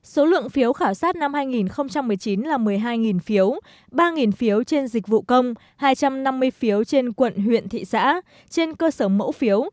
số lượng phiếu khảo sát năm hai nghìn một mươi chín là một mươi hai phiếu ba phiếu trên dịch vụ công hai trăm năm mươi phiếu trên quận huyện thị xã trên cơ sở mẫu phiếu